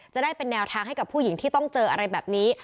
จะได้เป็นแนวทางให้กับผู้หญิงที่ต้องเจออะไรแบบนี้